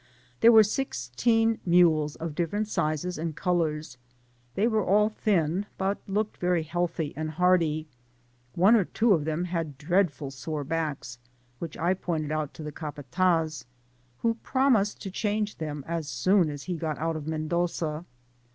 There were sixteen mules of different sizes and colours; they were all lean, but looked very healthy and hardy. One or two of them had dreadfully sore backs, whidi I pointed out to the capat&z, who promised to change them as soon as he got out of Mendoza.